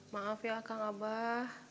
maaf ya akang abah